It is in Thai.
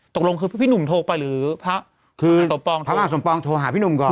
ตกลงคือพี่หนุ่มโทรไปหรือพระคือพระมหาสมปองโทรหาพี่หนุ่มก่อน